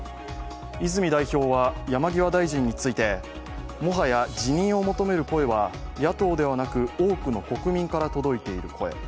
泉代表は山際大臣について、もはや辞任を求める声は野党ではなく、多くの国民から届いている声。